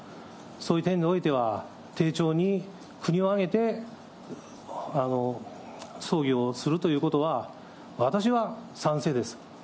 そういう点においては、丁重に国を挙げて葬儀をするということは、私は賛成です。